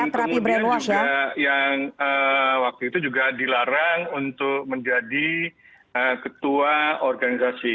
dan kemudian juga yang waktu itu juga dilarang untuk menjadi ketua organisasi